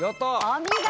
お見事。